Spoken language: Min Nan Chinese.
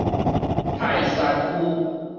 泰山區